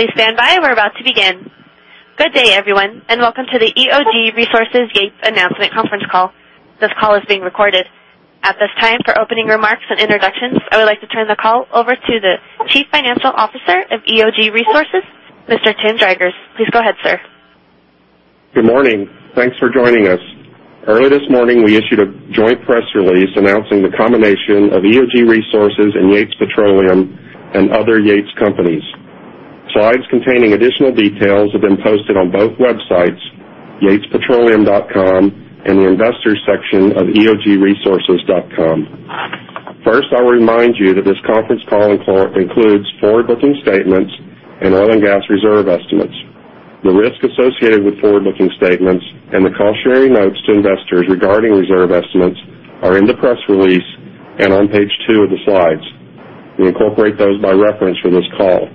Please stand by. We are about to begin. Good day, everyone, and welcome to the EOG Resources Yates Announcement Conference Call. This call is being recorded. At this time, for opening remarks and introductions, I would like to turn the call over to the Chief Financial Officer of EOG Resources, Mr. Tim Driggers. Please go ahead, sir. Good morning. Thanks for joining us. Early this morning, we issued a joint press release announcing the combination of EOG Resources and Yates Petroleum and other Yates companies. Slides containing additional details have been posted on both websites, yatespetroleum.com and the investors section of eogresources.com. First, I will remind that this conference call includes forward-looking statements and oil and gas reserve estimates. The risk associated with forward-looking statements and the cautionary notes to investors regarding reserve estimates are in the press release and on page two of the slides. We incorporate those by reference for this call.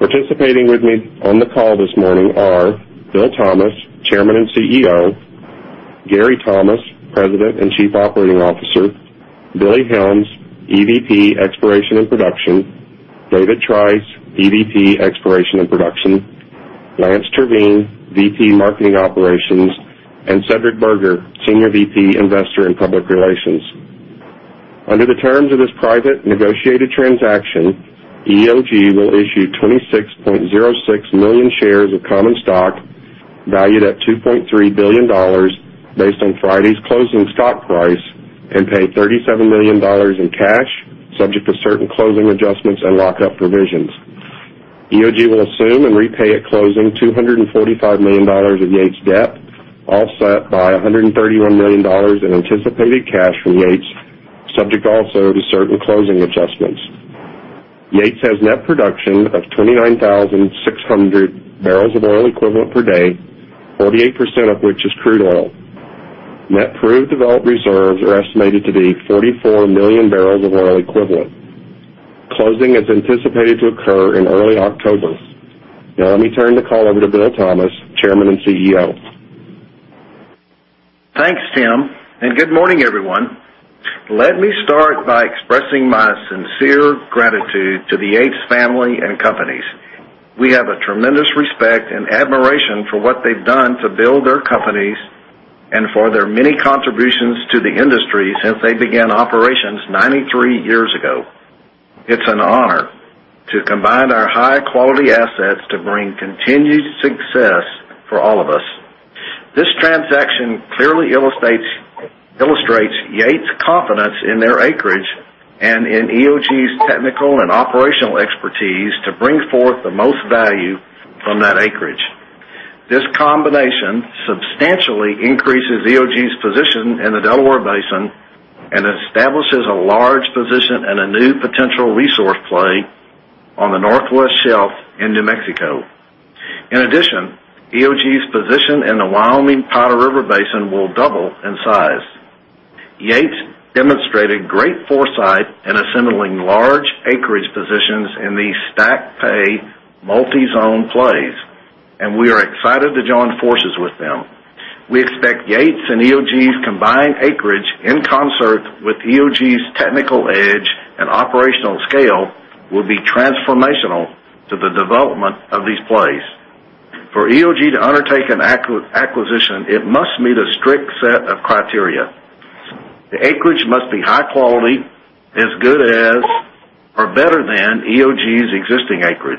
Participating with me on the call this morning are Bill Thomas, Chairman and CEO; Gary Thomas, President and Chief Operating Officer; Billy Helms, EVP Exploration and Production; David Trice, EVP Exploration and Production; Lance Terveen, VP Marketing Operations, and Cedric Burgher, Senior VP Investor and Public Relations. Under the terms of this private negotiated transaction, EOG will issue 26.06 million shares of common stock valued at $2.3 billion based on Friday's closing stock price and pay $37 million in cash, subject to certain closing adjustments and lock-up provisions. EOG will assume and repay at closing $245 million of Yates debt, offset by $131 million in anticipated cash from Yates, subject also to certain closing adjustments. Yates has net production of 29,600 barrels of oil equivalent per day, 48% of which is crude oil. Net proved developed reserves are estimated to be 44 million barrels of oil equivalent. Closing is anticipated to occur in early October. Let me turn the call over to Bill Thomas, Chairman and CEO. Thanks, Tim, good morning, everyone. Let me start by expressing my sincere gratitude to the Yates family and companies. We have a tremendous respect and admiration for what they have done to build their companies and for their many contributions to the industry since they began operations 93 years ago. It is an honor to combine our high-quality assets to bring continued success for all of us. This transaction clearly illustrates Yates' confidence in their acreage and in EOG's technical and operational expertise to bring forth the most value from that acreage. This combination substantially increases EOG's position in the Delaware Basin and establishes a large position and a new potential resource play on the Northwest Shelf in New Mexico. In addition, EOG's position in the Wyoming Powder River Basin will double in size. Yates demonstrated great foresight in assembling large acreage positions in these stack pay multi-zone plays, and we are excited to join forces with them. We expect Yates and EOG's combined acreage in concert with EOG's technical edge and operational scale will be transformational to the development of these plays. For EOG to undertake an acquisition, it must meet a strict set of criteria. The acreage must be high quality, as good as or better than EOG's existing acreage.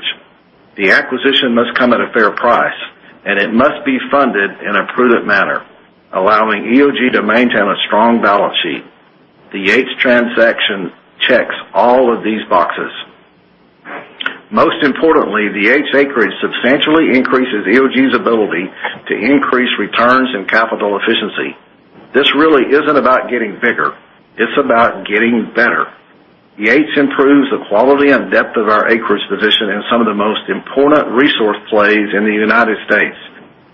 The acquisition must come at a fair price, and it must be funded in a prudent manner, allowing EOG to maintain a strong balance sheet. The Yates transaction checks all of these boxes. Most importantly, the Yates acreage substantially increases EOG's ability to increase returns and capital efficiency. This really isn't about getting bigger. It's about getting better. Yates improves the quality and depth of our acreage position in some of the most important resource plays in the U.S.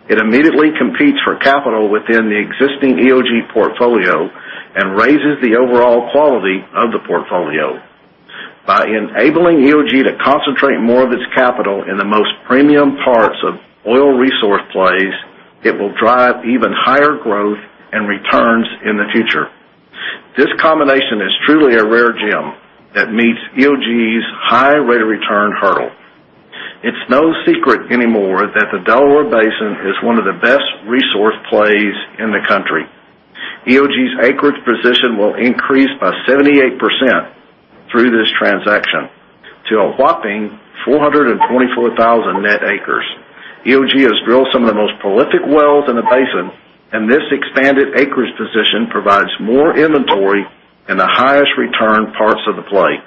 It immediately competes for capital within the existing EOG portfolio and raises the overall quality of the portfolio. By enabling EOG to concentrate more of its capital in the most premium parts of oil resource plays, it will drive even higher growth and returns in the future. This combination is truly a rare gem that meets EOG's high rate of return hurdle. It's no secret anymore that the Delaware Basin is one of the best resource plays in the country. EOG's acreage position will increase by 78% through this transaction to a whopping 424,000 net acres. EOG has drilled some of the most prolific wells in the basin, and this expanded acreage position provides more inventory in the highest return parts of the play.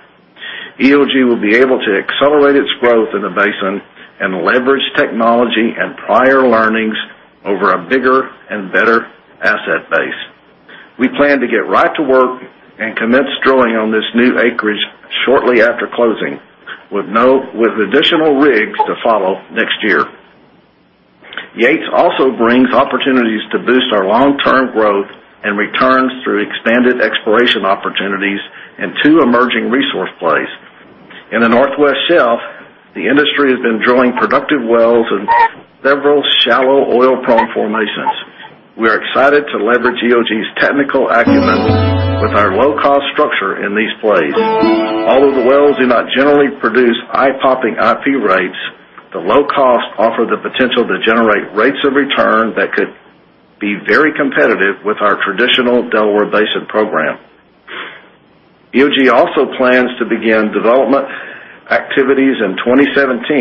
EOG will be able to accelerate its growth in the basin and leverage technology and prior learnings over a bigger and better asset base. We plan to get right to work and commence drilling on this new acreage shortly after closing, with additional rigs to follow next year. Yates also brings opportunities to boost our long-term growth and returns through expanded exploration opportunities in two emerging resource plays. In the Northwest Shelf, the industry has been drilling productive wells in several shallow oil-prone formations. We are excited to leverage EOG's technical acumen with our low-cost structure in these plays. Although the wells do not generally produce eye-popping IP rates, the low cost offer the potential to generate rates of return that could be very competitive with our traditional Delaware Basin program. EOG also plans to begin development activities in 2017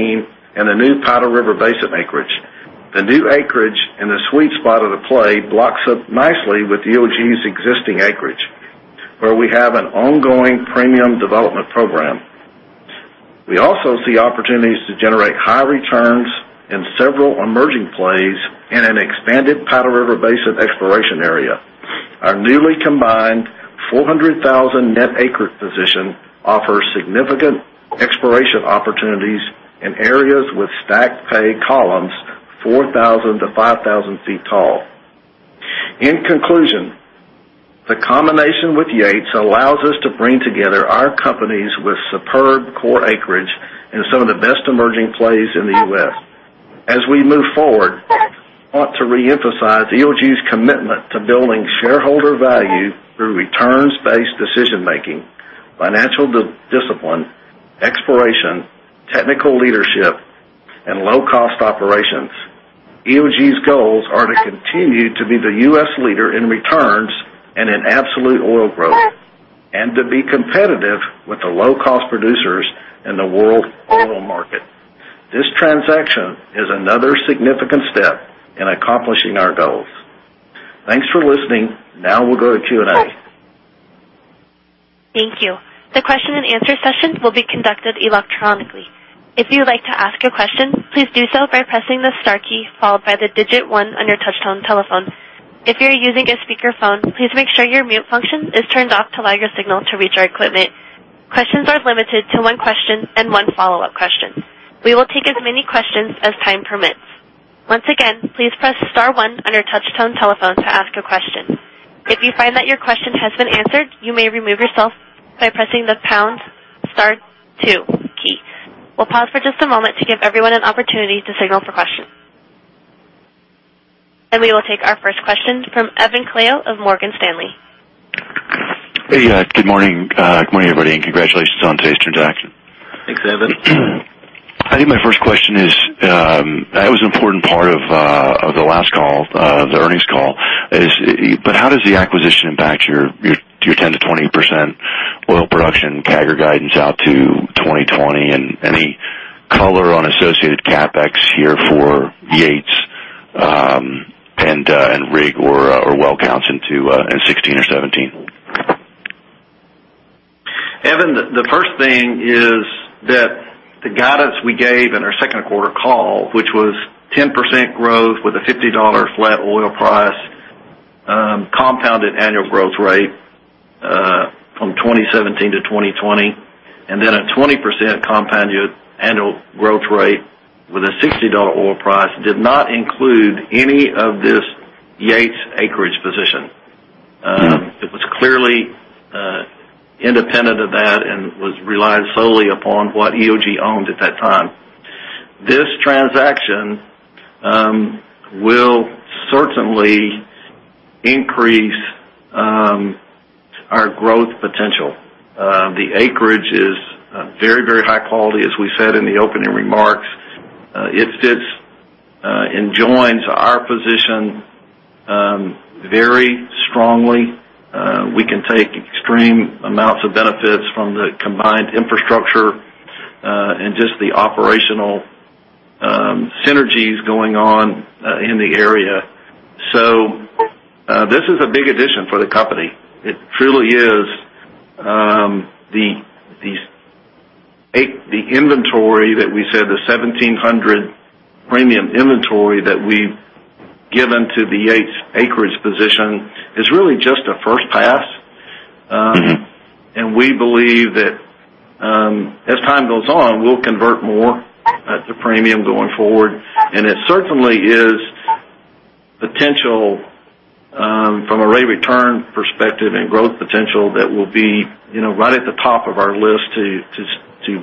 in the new Powder River Basin acreage. The new acreage in the sweet spot of the play blocks up nicely with EOG's existing acreage, where we have an ongoing premium development program. We also see opportunities to generate high returns in several emerging plays in an expanded Powder River Basin exploration area. Our newly combined 400,000 net acreage position offers significant exploration opportunities in areas with stacked pay columns 4,000-5,000 feet tall. In conclusion, the combination with Yates allows us to bring together our companies with superb core acreage in some of the best emerging plays in the U.S. As we move forward, I want to reemphasize EOG's commitment to building shareholder value through returns-based decision making, financial discipline, exploration, technical leadership, and low-cost operations. EOG's goals are to continue to be the U.S. leader in returns and in absolute oil growth, and to be competitive with the low-cost producers in the world oil market. This transaction is another significant step in accomplishing our goals. Thanks for listening. Now we'll go to Q&A. Thank you. The question and answer session will be conducted electronically. If you would like to ask a question, please do so by pressing the star key, followed by the digit 1 on your touchtone telephone. If you're using a speakerphone, please make sure your mute function is turned off to allow your signal to reach our equipment. Questions are limited to 1 question and 1 follow-up question. We will take as many questions as time permits. Once again, please press star 1 on your touchtone telephone to ask a question. If you find that your question has been answered, you may remove yourself by pressing the pound star 2 key. We'll pause for just a moment to give everyone an opportunity to signal for questions. We will take our first question from Evan Calio of Morgan Stanley. Hey. Good morning. Good morning, everybody, and congratulations on today's transaction. Thanks, Evan. I think my first question is, that was an important part of the last call, the earnings call, but how does the acquisition impact your 10%-20% oil production CAGR guidance out to 2020, and any color on associated CapEx here for Yates, and rig or well counts in 2016 or 2017? Evan, the first thing is that the guidance we gave in our second quarter call, which was 10% growth with a $50 flat oil price, compounded annual growth rate, from 2017 to 2020, a 20% compounded annual growth rate with a $60 oil price, did not include any of this Yates acreage position. It was clearly independent of that and was relied solely upon what EOG owned at that time. This transaction will certainly increase our growth potential. The acreage is very, very high quality, as we said in the opening remarks. It sits and joins our position very strongly. We can take extreme amounts of benefits from the combined infrastructure, and just the operational synergies going on in the area. This is a big addition for the company. It truly is. The inventory that we said, the 1,700 premium inventory that we've given to the Yates acreage position is really just a first pass. We believe that, as time goes on, we'll convert more at the premium going forward, and it certainly is potential from a rate return perspective and growth potential that will be right at the top of our list to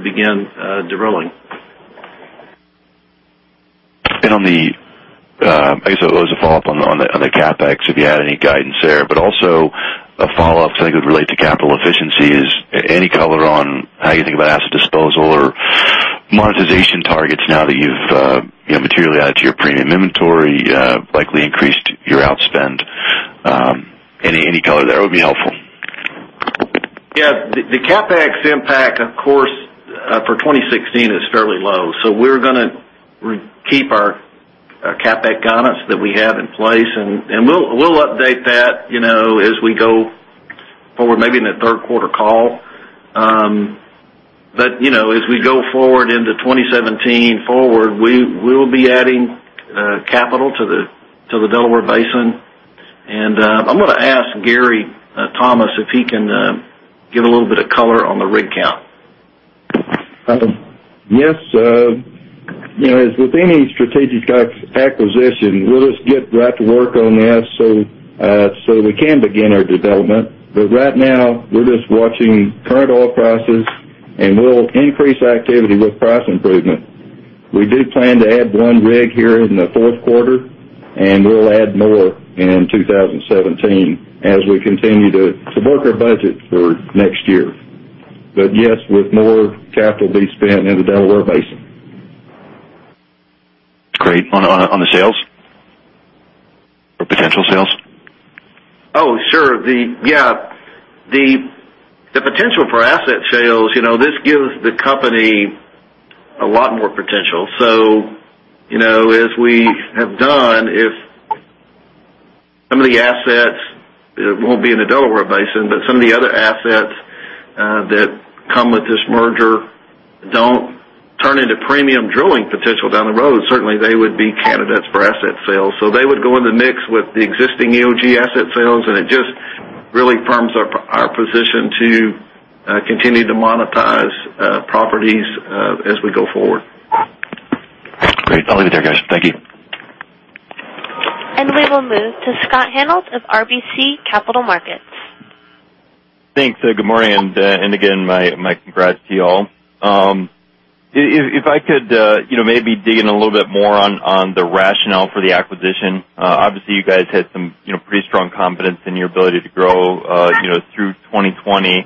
begin drilling. I guess it was a follow-up on the CapEx, if you had any guidance there, but also a follow-up, something that would relate to capital efficiency. Is any color on how you think about asset disposal or monetization targets now that you've materially added to your premium inventory, likely increased your outspend? Any color there would be helpful. Yeah. The CapEx impact, of course, for 2016 is fairly low. We're going to keep our CapEx guidance that we have in place, and we'll update that as we go forward, maybe in the third quarter call. As we go forward into 2017 forward, we'll be adding capital to the Delaware Basin. I'm going to ask Gary Thomas if he can give a little bit of color on the rig count. Yes. As with any strategic acquisition, we'll just get right to work on that so we can begin our development. Right now, we're just watching current oil prices, and we'll increase activity with price improvement. We do plan to add one rig here in the fourth quarter. We'll add more in 2017 as we continue to support our budget for next year. Yes, with more capital being spent in the Delaware Basin. Great. On the sales? Potential sales? Oh, sure. The potential for asset sales, this gives the company a lot more potential. As we have done, if some of the assets won't be in the Delaware Basin, but some of the other assets that come with this merger don't turn into premium drilling potential down the road, certainly they would be candidates for asset sales. They would go in the mix with the existing EOG asset sales, and it just really firms our position to continue to monetize properties as we go forward. Great. I'll leave it there, guys. Thank you. We will move to Scott Hanold of RBC Capital Markets. Thanks. Good morning, again, my congrats to you all. If I could maybe dig in a little bit more on the rationale for the acquisition. Obviously, you guys had some pretty strong confidence in your ability to grow through 2020.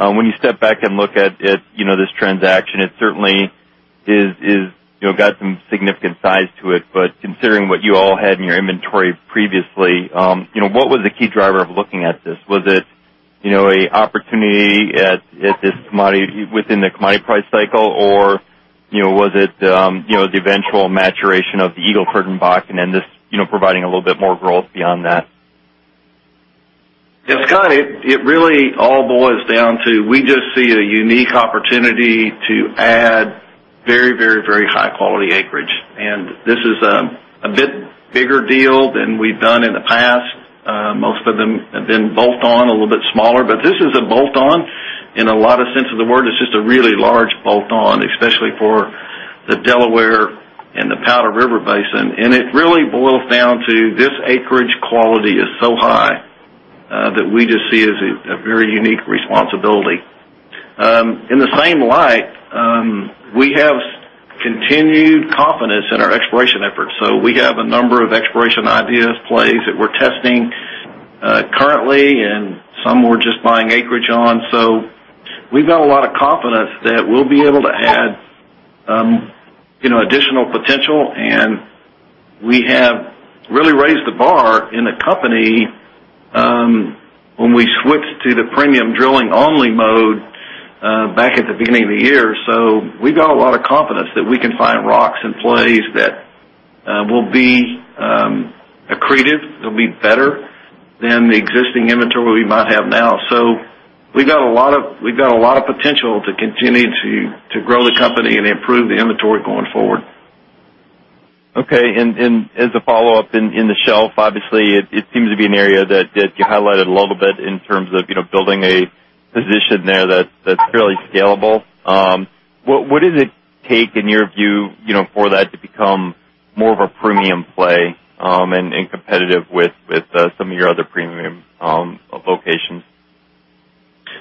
When you step back and look at this transaction, it certainly has got some significant size to it. Considering what you all had in your inventory previously, what was the key driver of looking at this? Was it an opportunity at this commodity within the commodity price cycle, or was it the eventual maturation of the Eagle Ford and Bakken, and this providing a little bit more growth beyond that? Yeah, Scott, it really all boils down to, we just see a unique opportunity to add very high quality acreage. This is a bit bigger deal than we've done in the past. Most of them have been bolt-on, a little bit smaller, but this is a bolt-on in a lot of sense of the word. It's just a really large bolt-on, especially for the Delaware and the Powder River Basin. It really boils down to this acreage quality is so high, that we just see as a very unique responsibility. In the same light, we have continued confidence in our exploration efforts. We have a number of exploration ideas, plays that we're testing currently, and some we're just buying acreage on. We've got a lot of confidence that we'll be able to add additional potential, and we have really raised the bar in the company when we switched to the premium drilling only mode back at the beginning of the year. We've got a lot of confidence that we can find rocks and plays that will be accretive, that'll be better than the existing inventory we might have now. We've got a lot of potential to continue to grow the company and improve the inventory going forward. Okay, as a follow-up, in the shelf, obviously, it seems to be an area that you highlighted a little bit in terms of building a position there that's fairly scalable. What does it take, in your view, for that to become more of a premium play and competitive with some of your other premium locations?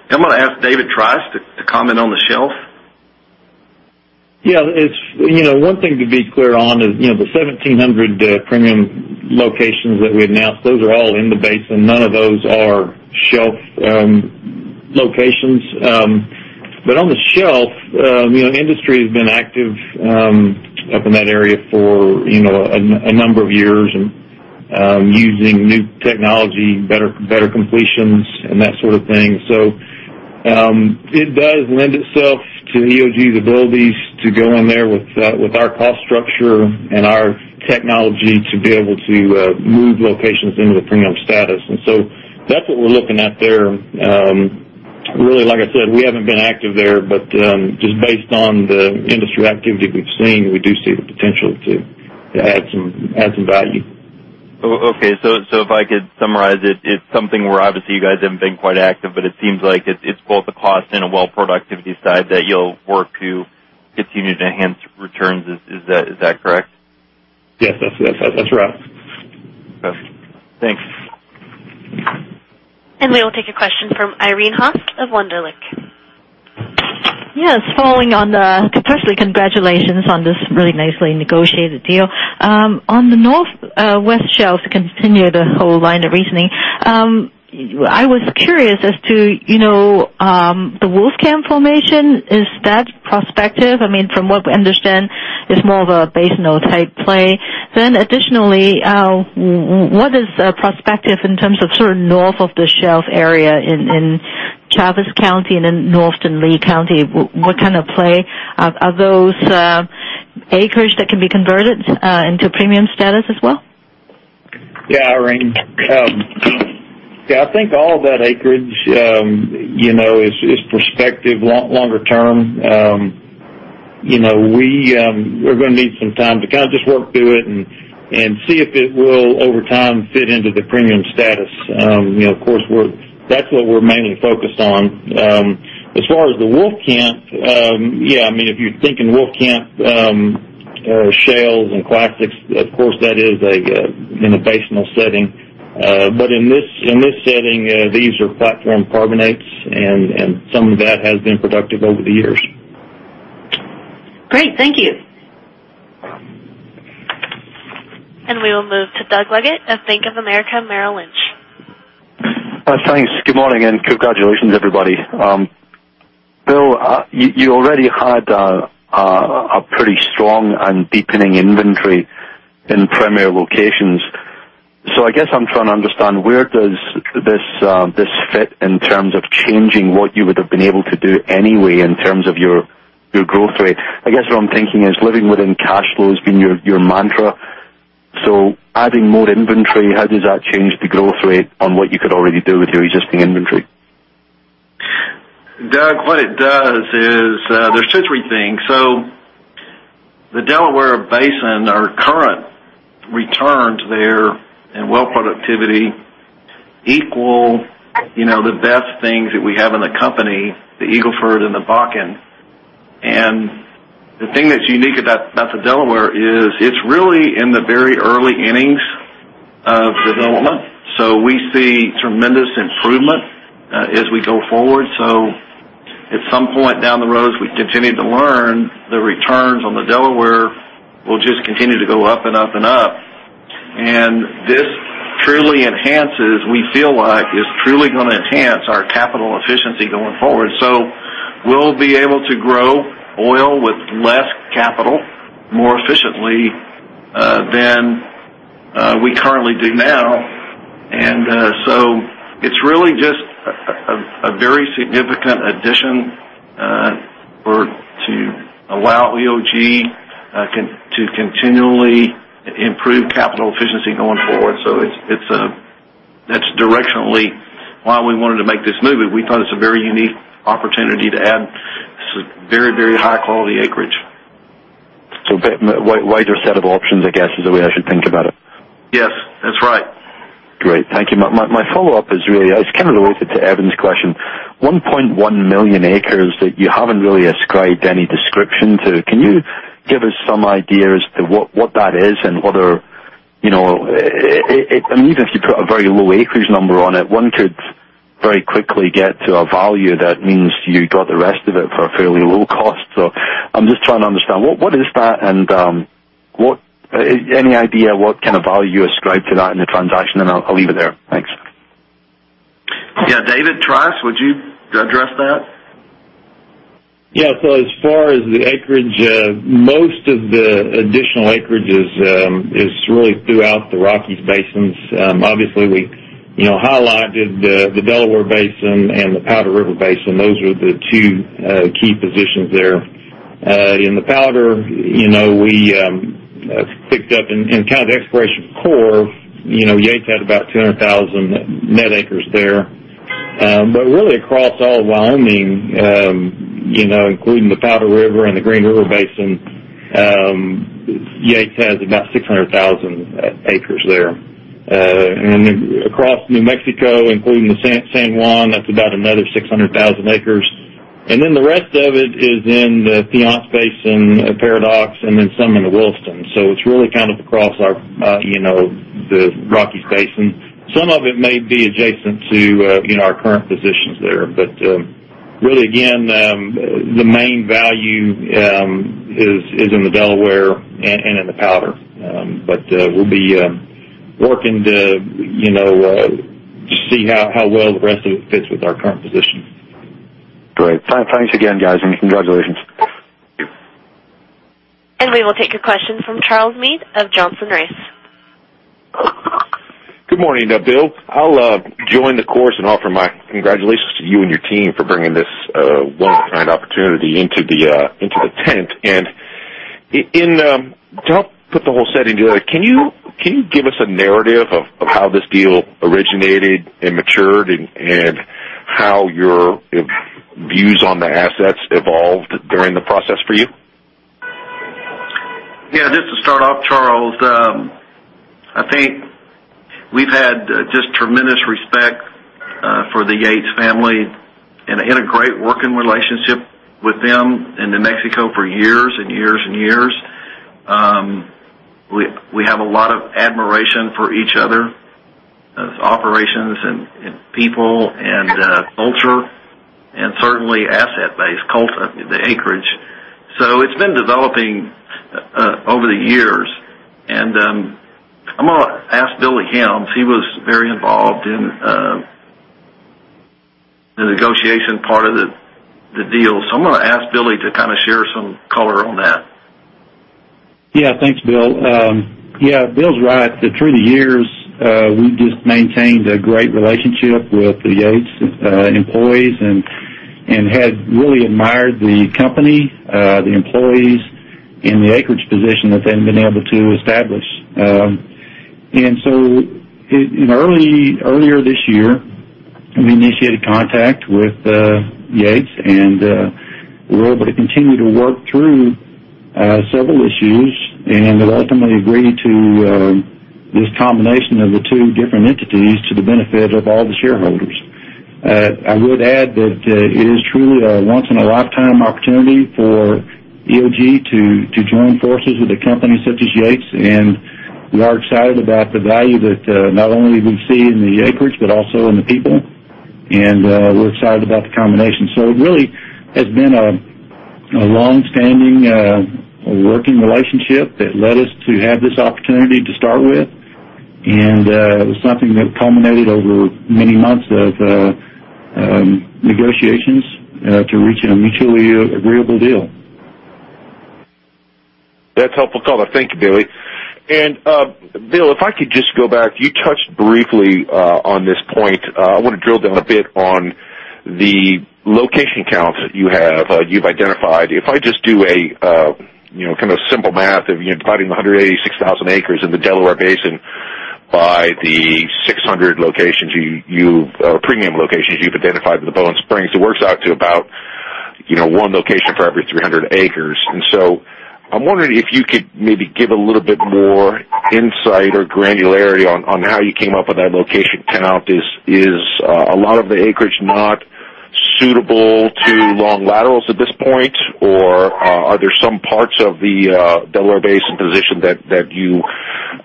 I'm going to ask David Trice to comment on the shelf. Yeah. One thing to be clear on is, the 1,700 premium locations that we announced, those are all in the basin. None of those are shelf locations. On the shelf, the industry has been active up in that area for a number of years and using new technology, better completions, and that sort of thing. It does lend itself to EOG's abilities to go in there with our cost structure and our technology to be able to move locations into the premium status. That's what we're looking at there. Really, like I said, we haven't been active there, but just based on the industry activity we've seen, we do see the potential to add some value. Okay. If I could summarize it's something where obviously you guys haven't been quite active, but it seems like it's both a cost and a well productivity side that you'll work to continue to enhance returns. Is that correct? Yes. That's correct. Okay. Thanks. We will take a question from Irene Haas of Wunderlich. Yes. Firstly, congratulations on this really nicely negotiated deal. On the Northwest Shelf, to continue the whole line of reasoning, I was curious as to the Wolfcamp formation, is that prospective? From what we understand, it's more of a basin type play. Additionally, what is prospective in terms of north of the shelf area in Chaves County and in north in Lea County? What kind of play? Are those acreage that can be converted into premium status as well? Yeah, Irene. I think all that acreage is prospective longer term. We're going to need some time to just work through it and see if it will, over time, fit into the premium status. Of course, that's what we're mainly focused on. As far as the Wolfcamp, if you're thinking Wolfcamp shales and clastics, of course, that is in a basinal setting. In this setting, these are platform carbonates, and some of that has been productive over the years. Great. Thank you. We will move to Doug Leggate of Bank of America Merrill Lynch. Thanks. Good morning, and congratulations, everybody. Bill, you already had a pretty strong and deepening inventory in premier locations. I guess I'm trying to understand where does this fit in terms of changing what you would've been able to do anyway in terms of your growth rate? I guess what I'm thinking is living within cash flow has been your mantra. Adding more inventory, how does that change the growth rate on what you could already do with your existing inventory? Doug, what it does is there's two, three things. The Delaware Basin, our current returns there and well productivity equal the best things that we have in the company, the Eagle Ford and the Bakken. The thing that's unique about the Delaware is it's really in the very early innings of development. We see tremendous improvement as we go forward. At some point down the road, as we continue to learn, the returns on the Delaware will just continue to go up and up and up. This truly enhances, we feel like is truly going to enhance our capital efficiency going forward. We'll be able to grow oil with less capital more efficiently than we currently do now. It's really just a very significant addition for, to allow EOG to continually improve capital efficiency going forward. That's directionally why we wanted to make this move, but we thought it's a very unique opportunity to add some very high quality acreage. A bit wider set of options, I guess, is the way I should think about it. Yes, that's right. Great. Thank you. My follow-up is really, it's related to Evan's question. 1.1 million acres that you haven't really ascribed any description to. Can you give us some idea as to what that is and whether I mean, even if you put a very low acreage number on it, one could very quickly get to a value that means you got the rest of it for a fairly low cost. I'm just trying to understand, what is that and any idea what kind of value ascribed to that in the transaction? And I'll leave it there. Thanks. David Trice, would you address that? As far as the acreage most of the additional acreage is really throughout the Rockies Basins. Obviously we highlighted the Delaware Basin and the Powder River Basin. Those are the two key positions there. In the Powder, we picked up in exploration core, Yates had about 200,000 net acres there. Really across all Wyoming including the Powder River and the Green River Basin, Yates has about 600,000 acres there. Across New Mexico, including the San Juan, that's about another 600,000 acres. The rest of it is in the Piceance Basin, Paradox, and some in the Williston. It's really across our the Rockies Basin. Some of it may be adjacent to our current positions there. Really again the main value is in the Delaware and in the Powder. We'll be working to see how well the rest of it fits with our current position. Great. Thanks again, guys, congratulations. We will take a question from Charles Meade of Johnson Rice. Good morning, Bill. I'll join the chorus and offer my congratulations to you and your team for bringing this one of a kind opportunity into the tent. To help put the whole setting together, can you give us a narrative of how this deal originated and matured and how your views on the assets evolved during the process for you? Yeah, just to start off, Charles, I think we've had just tremendous respect for the Yates family and a great working relationship with them in New Mexico for years and years and years. We have a lot of admiration for each other as operations and people and culture, and certainly asset base culture, the acreage. I'm gonna ask Billy Helms, he was very involved in the negotiation part of the deal. I'm gonna ask Billy to share some color on that. Thanks, Bill. Bill's right. Through the years, we've just maintained a great relationship with the Yates employees and have really admired the company, the employees, and the acreage position that they've been able to establish. Earlier this year, we initiated contact with Yates. We were able to continue to work through several issues and ultimately agreed to this combination of the two different entities to the benefit of all the shareholders. I would add that it is truly a once in a lifetime opportunity for EOG to join forces with a company such as Yates, and we are excited about the value that not only we see in the acreage but also in the people. We're excited about the combination. It really has been a longstanding working relationship that led us to have this opportunity to start with. It was something that culminated over many months of negotiations to reach a mutually agreeable deal. That's helpful color. Thank you, Billy. Bill, if I could just go back, you touched briefly on this point. I want to drill down a bit on the location count that you have, you've identified. If I just do a simple math of dividing the 186,000 acres in the Delaware Basin by the 600 premium locations you've identified with the Bone Spring, it works out to about one location for every 300 acres. I'm wondering if you could maybe give a little bit more insight or granularity on how you came up with that location count. Is a lot of the acreage not suitable to long laterals at this point, or are there some parts of the Delaware Basin position that you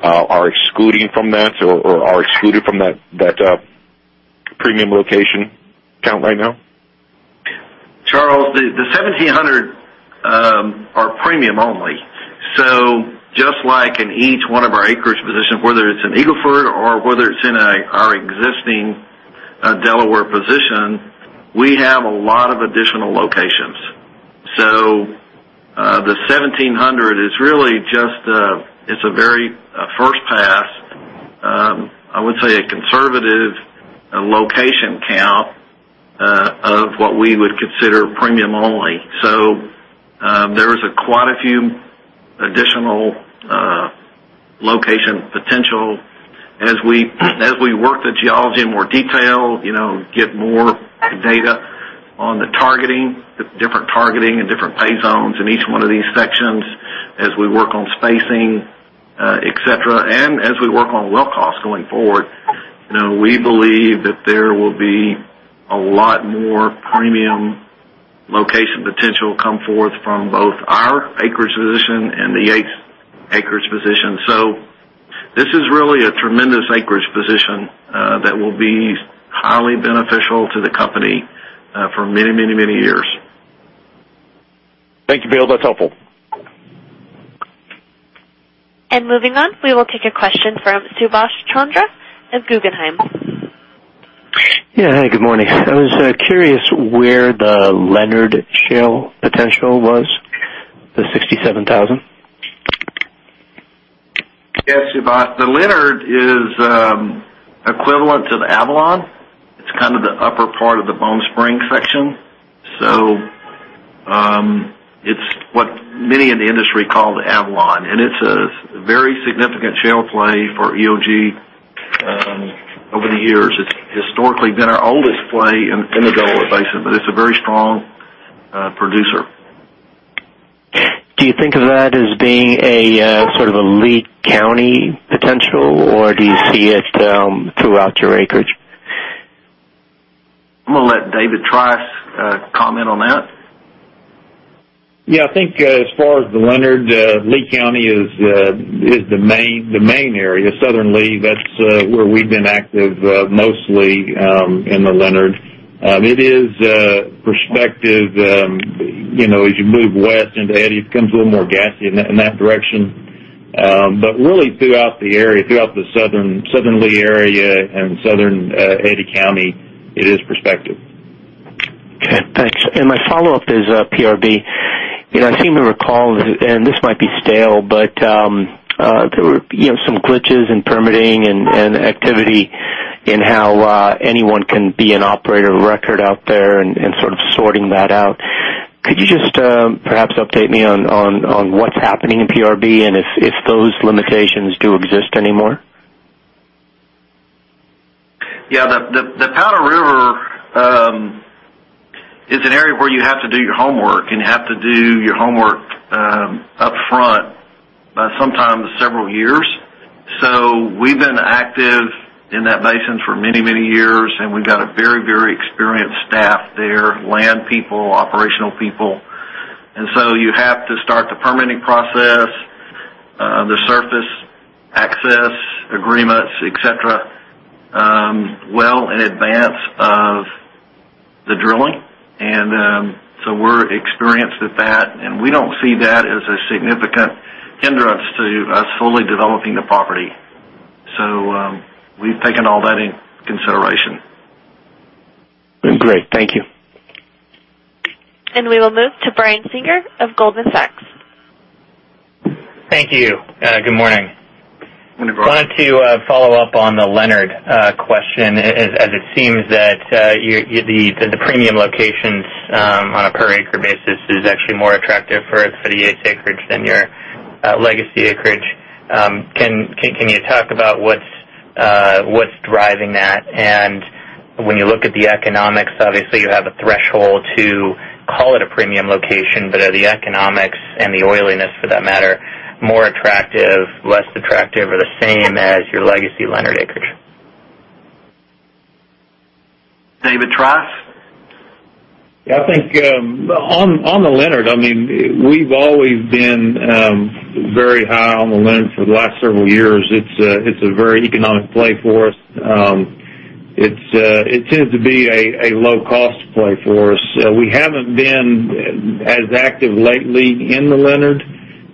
are excluding from that or are excluded from that premium location count right now? Charles, the 1,700 are premium only. Just like in each one of our acreage positions, whether it's in Eagle Ford or whether it's in our existing Delaware position, we have a lot of additional locations. The 1,700, it's a very first pass, I would say a conservative location count of what we would consider premium only. There is quite a few additional location potential as we work the geology in more detail, get more data on the targeting, the different targeting and different pay zones in each one of these sections as we work on spacing, et cetera. As we work on well costs going forward, we believe that there will be a lot more premium location potential come forth from both our acreage position and the Yates acreage position. This is really a tremendous acreage position that will be highly beneficial to the company for many years. Thank you, Bill. That's helpful. Moving on, we will take a question from Subash Chandra of Guggenheim. Yeah. Good morning. I was curious where the Leonard Shale potential was, the 67,000. Subash. The Leonard is equivalent to the Avalon. It's the upper part of the Bone Spring section. It's what many in the industry call the Avalon, and it's a very significant shale play for EOG over the years. It's historically been our oldest play in the Delaware Basin, but it's a very strong producer. Do you think of that as being a sort of a Lea County potential, or do you see it throughout your acreage? I'm going to let David Trice comment on that. I think as far as the Leonard, Lea County is the main area. Southern Lea, that's where we've been active mostly in the Leonard. It is prospective as you move west into Eddy, it becomes a little more gassy in that direction. Really throughout the area, throughout the southern Lea area and southern Eddy County, it is prospective. Okay, thanks. My follow-up is PRB. I seem to recall, and this might be stale, but there were some glitches in permitting and activity in how anyone can be an operator of record out there and sort of sorting that out. Could you just perhaps update me on what's happening in PRB and if those limitations do exist anymore? Yeah. The Powder River is an area where you have to do your homework, and you have to do your homework upfront by sometimes several years. We've been active in that basin for many years, and we've got a very experienced staff there, land people, operational people. You have to start the permitting process, the surface access agreements, et cetera, well in advance of the drilling. We're experienced with that, and we don't see that as a significant hindrance to us fully developing the property. We've taken all that into consideration. Great. Thank you. We will move to Brian Singer of Goldman Sachs. Thank you. Good morning. Good morning. Wanted to follow up on the Leonard question, as it seems that the premium locations on a per acre basis is actually more attractive for the Yates acreage than your legacy acreage. Can you talk about what's driving that? When you look at the economics, obviously you have a threshold to Call it a premium location, but are the economics, and the oiliness for that matter, more attractive, less attractive, or the same as your legacy Leonard acreage? David Trice? Yeah, I think on the Leonard, we've always been very high on the Leonard for the last several years. It's a very economic play for us. It tends to be a low-cost play for us. We haven't been as active lately in the Leonard,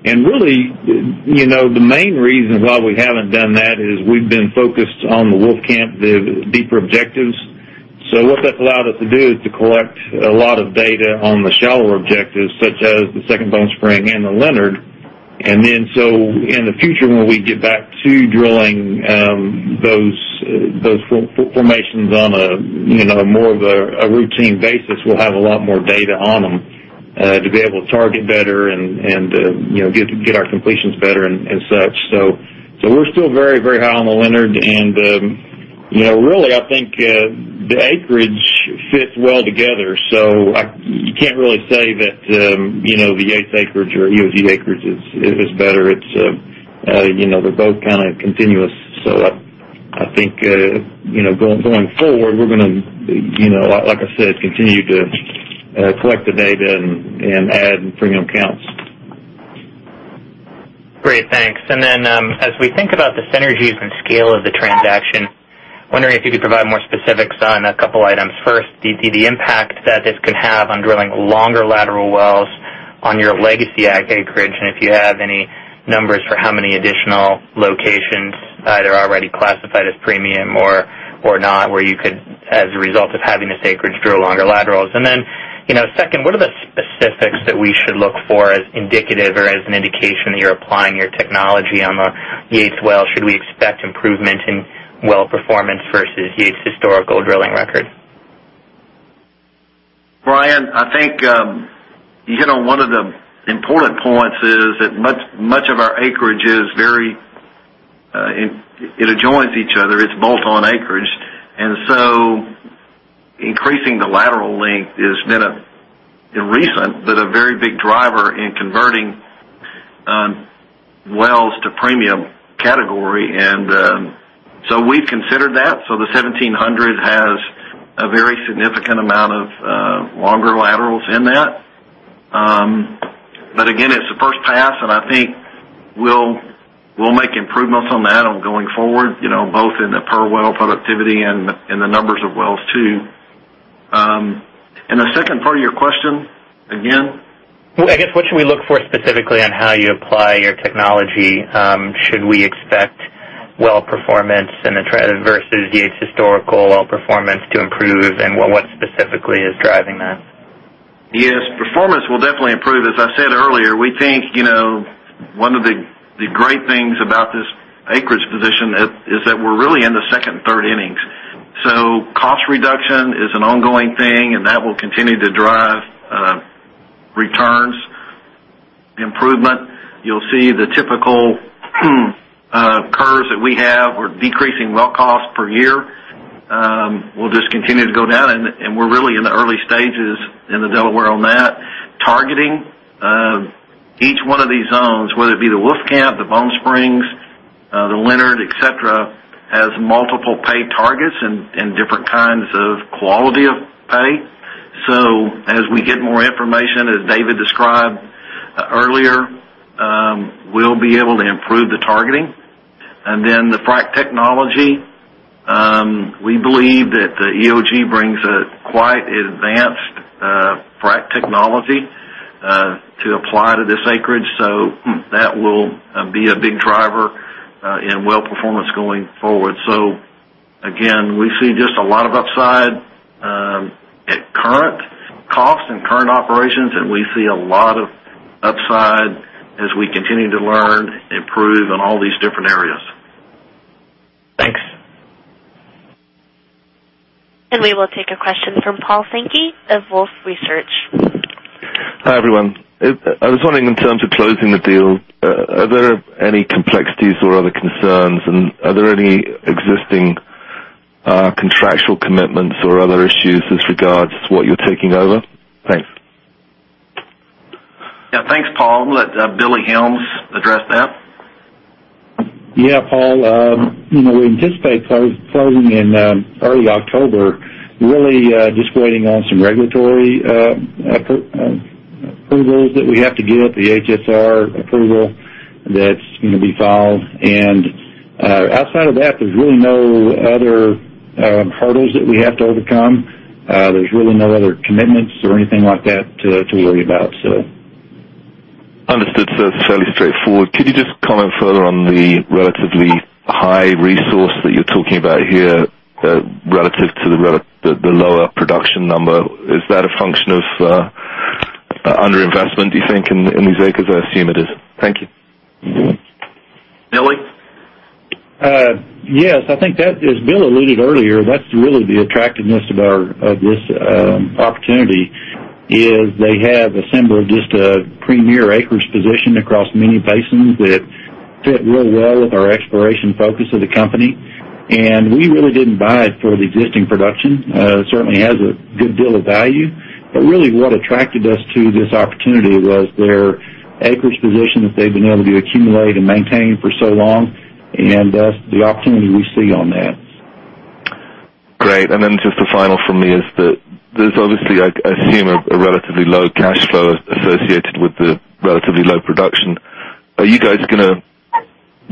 and really, the main reason why we haven't done that is we've been focused on the Wolfcamp, the deeper objectives. What that's allowed us to do is to collect a lot of data on the shallower objectives, such as the Second Bone Spring and the Leonard. In the future, when we get back to drilling those formations on more of a routine basis, we'll have a lot more data on them to be able to target better and get our completions better and such. We're still very, very high on the Leonard, and really, I think the acreage fits well together. You can't really say that the Yates acreage or EOG acreage is better. They're both continuous. I think, going forward, we're going to, like I said, continue to collect the data and add premium accounts. Great, thanks. As we think about the synergies and scale of the transaction, wondering if you could provide more specifics on a couple items. First, do you see the impact that this could have on drilling longer lateral wells on your legacy acreage, and if you have any numbers for how many additional locations, either already classified as premium or not, where you could, as a result of having this acreage, drill longer laterals? Second, what are the specifics that we should look for as indicative or as an indication that you're applying your technology on the Yates well? Should we expect improvement in well performance versus Yates' historical drilling record? Brian, I think you hit on one of the important points, is that much of our acreage, it adjoins each other. It's bolt-on acreage. Increasing the lateral length has been, recent, but a very big driver in converting wells to premium category. We've considered that, the 1,700 has a very significant amount of longer laterals in that. Again, it's the first pass, I think we'll make improvements on that going forward, both in the per well productivity and the numbers of wells too. The second part of your question again? I guess, what should we look for specifically on how you apply your technology? Should we expect well performance versus the historical well performance to improve? What specifically is driving that? Yes, performance will definitely improve. As I said earlier, we think one of the great things about this acreage position is that we're really in the second, third innings. Cost reduction is an ongoing thing, and that will continue to drive returns improvement. You'll see the typical curves that we have. We're decreasing well cost per year. We'll just continue to go down, and we're really in the early stages in the Delaware on that. Targeting each one of these zones, whether it be the Wolfcamp, the Bone Spring, the Leonard, et cetera, has multiple pay targets and different kinds of quality of pay. As we get more information, as David described earlier, we'll be able to improve the targeting. The frack technology, we believe that EOG brings a quite advanced frack technology to apply to this acreage, that will be a big driver in well performance going forward. Again, we see just a lot of upside at current cost and current operations, and we see a lot of upside as we continue to learn, improve in all these different areas. Thanks. We will take a question from Paul Sankey of Wolfe Research. Hi, everyone. I was wondering in terms of closing the deal, are there any complexities or other concerns, and are there any existing contractual commitments or other issues as regards to what you're taking over? Thanks. Yeah. Thanks, Paul. I'll let Billy Helms address that. Yeah, Paul. We anticipate closing in early October. Really just waiting on some regulatory approvals that we have to get, the HSR approval that's going to be filed. Outside of that, there's really no other hurdles that we have to overcome. There's really no other commitments or anything like that to worry about. Understood. It's fairly straightforward. Could you just comment further on the relatively high resource that you're talking about here relative to the lower production number? Is that a function of under-investment, do you think, in these acres? I assume it is. Thank you. Billy? Yes. As Bill alluded earlier, that's really the attractiveness of this opportunity is they have assembled just a premier acreage position across many basins that Fit really well with our exploration focus of the company. We really didn't buy it for the existing production. It certainly has a good deal of value. Really what attracted us to this opportunity was their acreage position that they've been able to accumulate and maintain for so long, and thus the opportunity we see on that. Great. Just the final from me is that there's obviously, I assume, a relatively low cash flow associated with the relatively low production. Are you guys going to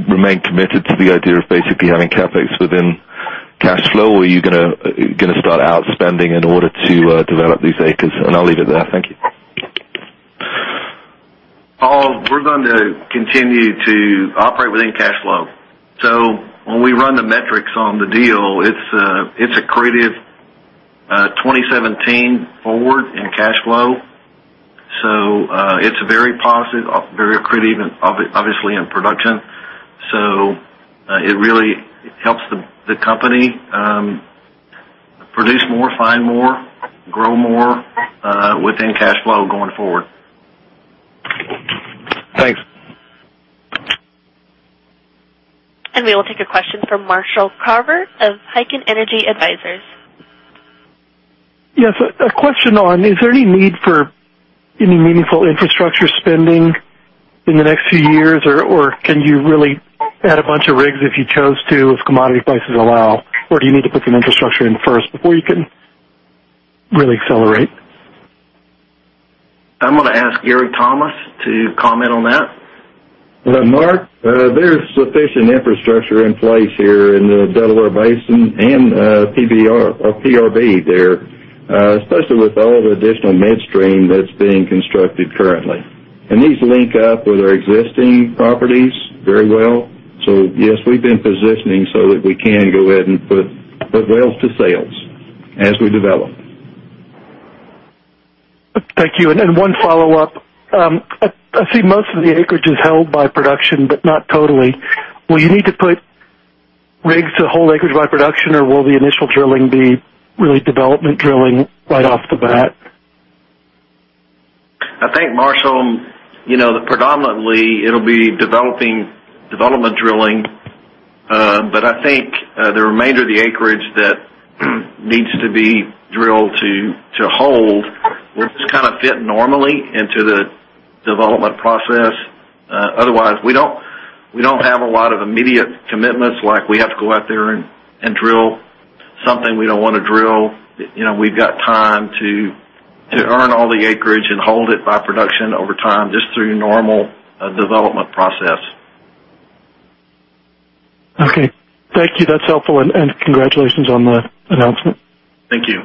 remain committed to the idea of basically having CapEx within cash flow? Are you going to start outspending in order to develop these acres? I'll leave it there. Thank you. Paul, we're going to continue to operate within cash flow. When we run the metrics on the deal, it's accretive 2017 forward in cash flow. It's very positive, very accretive, obviously, in production. It really helps the company produce more, find more, grow more within cash flow going forward. Thanks. We will take a question from Marshall Carver of Heikkinen Energy Advisors. Yes. A question on, is there any need for any meaningful infrastructure spending in the next few years? Or can you really add a bunch of rigs if you chose to, if commodity prices allow? Or do you need to put some infrastructure in first before you can really accelerate? I'm going to ask Gary Thomas to comment on that. Marshall, there's sufficient infrastructure in place here in the Delaware Basin and PRB there, especially with all the additional midstream that's being constructed currently. These link up with our existing properties very well. Yes, we've been positioning so that we can go ahead and put wells to sales as we develop. Thank you. One follow-up. I see most of the acreage is held by production, but not totally. Will you need to put rigs to hold acreage by production, or will the initial drilling be really development drilling right off the bat? I think, Marshall, predominantly, it'll be development drilling. I think the remainder of the acreage that needs to be drilled to hold will just fit normally into the development process. Otherwise, we don't have a lot of immediate commitments, like we have to go out there and drill something we don't want to drill. We've got time to earn all the acreage and hold it by production over time, just through normal development process. Okay. Thank you. That's helpful, congratulations on the announcement. Thank you.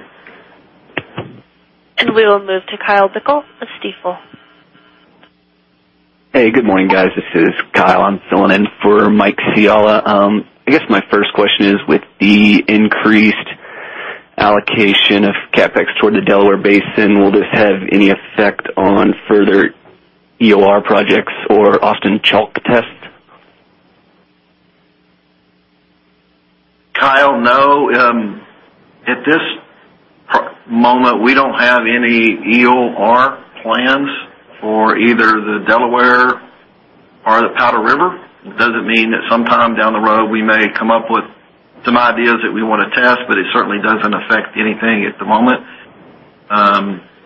We will move to Kyle Bickel of Stifel. Hey, good morning, guys. This is Kyle. I am filling in for Mike Fiala. I guess my first question is, with the increased allocation of CapEx toward the Delaware Basin, will this have any effect on further EOR projects or Austin Chalk tests? Kyle, no. At this moment, we don't have any EOR plans for either the Delaware or the Powder River. It doesn't mean that sometime down the road, we may come up with some ideas that we want to test, but it certainly doesn't affect anything at the moment.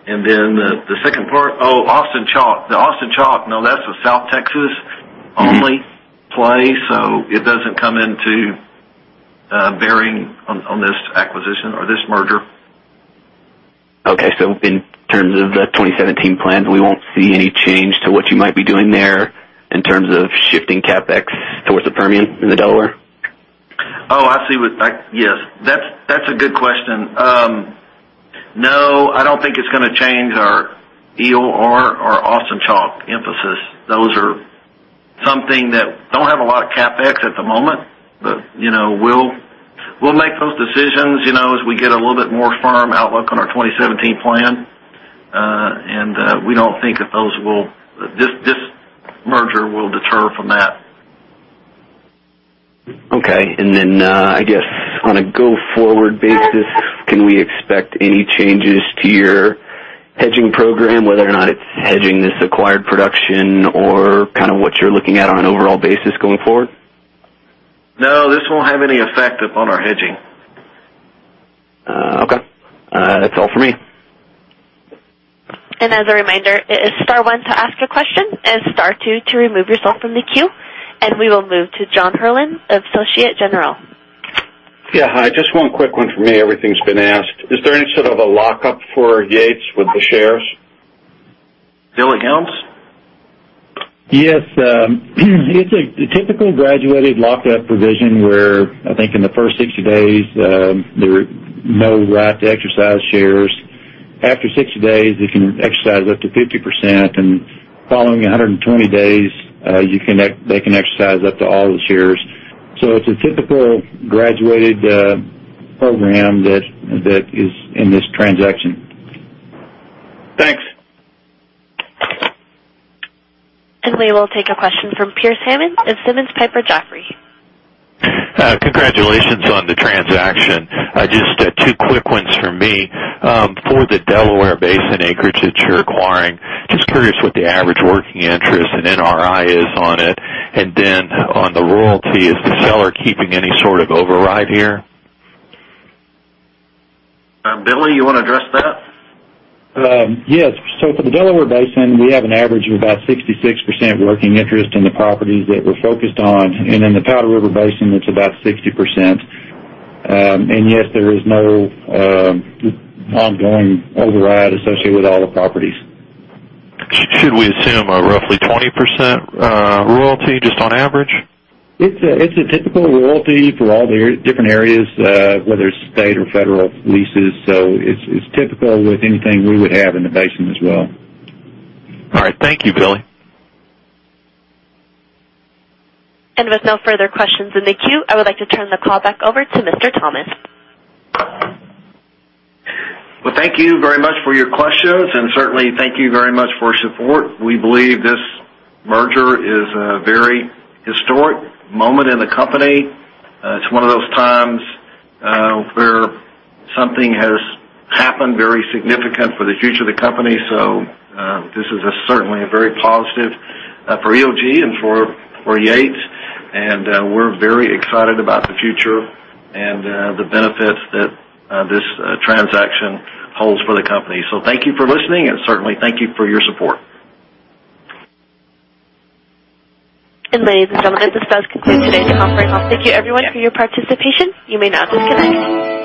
Then the second part, the Austin Chalk. No, that's a South Texas-only play, so it doesn't come into bearing on this acquisition or this merger. Okay. In terms of the 2017 plans, we won't see any change to what you might be doing there in terms of shifting CapEx towards the Permian and the Delaware? I see. Yes. That's a good question. I don't think it's going to change our EOR or Austin Chalk emphasis. Those are something that don't have a lot of CapEx at the moment, but we'll make those decisions as we get a little bit more firm outlook on our 2017 plan. We don't think that this merger will deter from that. Okay. I guess on a go-forward basis, can we expect any changes to your hedging program, whether or not it's hedging this acquired production or what you're looking at on an overall basis going forward? This won't have any effect upon our hedging. Okay. That's all for me. As a reminder, it is star one to ask a question and star two to remove yourself from the queue. We will move to John Herrlin of Societe Generale. Yeah. Hi, just one quick one from me. Everything's been asked. Is there any sort of a lockup for Yates with the shares? Billy Helms? Yes. It's a typical graduated lockup provision where I think in the first 60 days, there is no right to exercise shares. After 60 days, they can exercise up to 50%, and following 120 days, they can exercise up to all the shares. It's a typical graduated program that is in this transaction. Thanks. We will take a question from Pier Simon of Simmons Piper Jaffray. Congratulations on the transaction. Just two quick ones from me. For the Delaware Basin acreage that you're acquiring, curious what the average working interest and NRI is on it. On the royalty, is the seller keeping any sort of override here? Billy, you want to address that? Yes. For the Delaware Basin, we have an average of about 66% working interest in the properties that we're focused on. In the Powder River Basin, it's about 60%. Yes, there is no ongoing override associated with all the properties. Should we assume a roughly 20% royalty just on average? It's a typical royalty for all the different areas, whether it's state or federal leases. It's typical with anything we would have in the basin as well. All right. Thank you, Billy. With no further questions in the queue, I would like to turn the call back over to Mr. Thomas. Well, thank you very much for your questions, and certainly, thank you very much for your support. We believe this merger is a very historic moment in the company. It's one of those times where something has happened very significant for the future of the company. This is certainly very positive for EOG and for Yates, and we're very excited about the future and the benefits that this transaction holds for the company. Thank you for listening, and certainly thank you for your support. Ladies and gentlemen, this does conclude today's conference call. Thank you everyone for your participation. You may now disconnect.